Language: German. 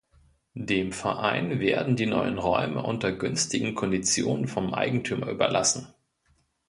Dem Verein werden die neuen Räume unter günstigen Konditionen vom Eigentümer überlassen.